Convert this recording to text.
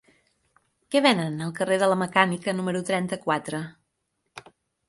Què venen al carrer de la Mecànica número trenta-quatre?